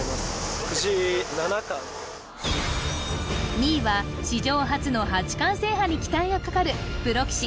２位は史上初の八冠制覇に期待がかかるプロ棋士